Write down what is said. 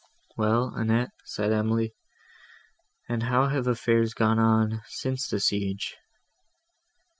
"Well, Annette," said Emily, "and how have affairs gone on, since the siege?"